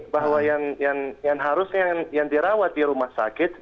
bahwa yang harusnya yang dirawat di rumah sakit